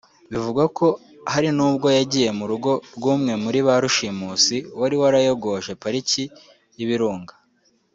Bivugwa ko hari nubwo yagiye mu rugo rw’umwe muri ba rushimusi wari warayogoje pariki y’Ibirunga